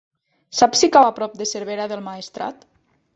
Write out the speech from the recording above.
Saps si cau a prop de Cervera del Maestrat?